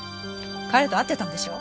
彼と会ってたんでしょ？